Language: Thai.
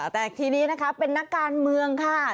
แต่ทีนี้นะคะเป็นนักการเมืองค่ะ